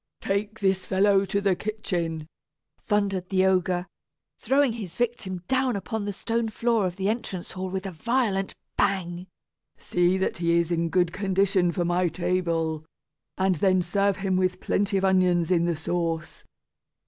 "Take this fellow to the kitchen," thundered the ogre, throwing his victim down upon the stone floor of the entrance hall with a violent bang; "see that he is in good condition for my table, and then serve him with plenty of onions in the sauce.